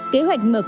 kế hoạch mở cửa đồng